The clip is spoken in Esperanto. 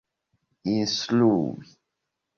instrui